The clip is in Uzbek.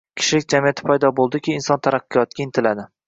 Kishilik jamiyati paydo bo`libdiki, inson taraqqiyotga intiladi